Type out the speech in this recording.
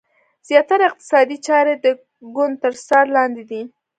زیاتره اقتصادي چارې د ګوند تر څار لاندې دي.